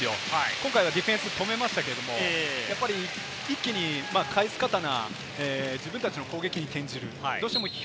今回はディフェンス止めましたけど、一気に返す刀、自分たちの攻撃に転じる。